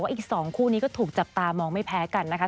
อีก๒คู่นี้ก็ถูกจับตามองไม่แพ้กันนะคะ